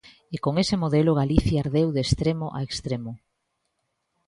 E con ese modelo Galicia ardeu de extremo a extremo.